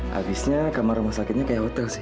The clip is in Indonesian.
habisnya kamar rumah sakitnya kayak hotel sih